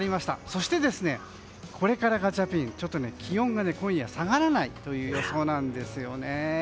そして、これからガチャピン気温が今夜、下がらないという予報なんですよね。